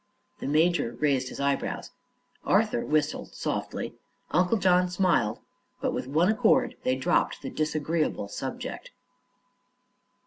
The major raised his eyebrows; Arthur whistled softly; Uncle John smiled; but with one accord they dropped the disagreeable subject.